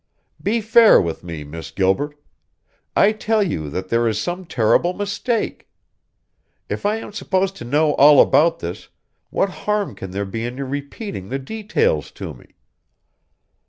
"Be fair with me, Miss Gilbert. I tell you that there is some terrible mistake! If I am supposed to know all about this, what harm can there be in your repeating the details to me?